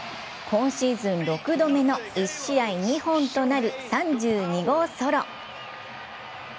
今シーズン６度目の１試合２本となる３２号ソロ。